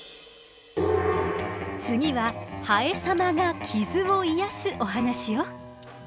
次はハエ様が傷を癒やすお話よ。